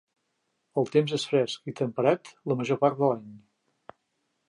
El temps és fresc i temperat la major part de l'any.